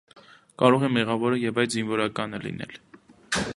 կարող է մեղավորը և այդ զինվորականը լինել.